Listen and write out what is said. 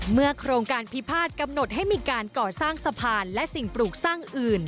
โครงการพิพาทกำหนดให้มีการก่อสร้างสะพานและสิ่งปลูกสร้างอื่น